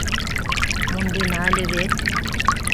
— Мондена ыле вет.